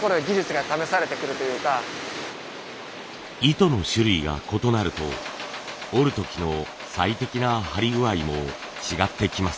糸の種類が異なると織る時の最適な張り具合も違ってきます。